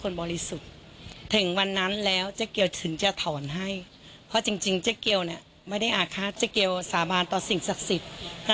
จริงเจ๊เกียวเนี่ยไม่ได้อาฆาตเจ๊เกียวสาบานตัวสิ่งศักดิ์สิทธิ์